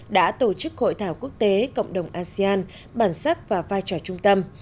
đã tổ chức hội thảo quốc tế cộng đồng asean bản sắc và vai trò trung tâm